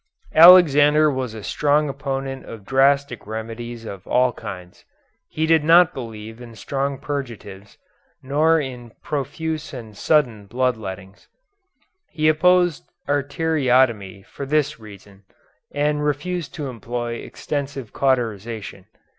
Alexander was a strong opponent of drastic remedies of all kinds. He did not believe in strong purgatives, nor in profuse and sudden blood lettings. He opposed arteriotomy for this reason, and refused to employ extensive cauterization.